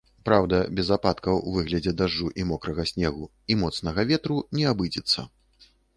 Праўда, без ападкаў у выглядзе дажджу і мокрага снегу і моцнага ветру не абыдзецца.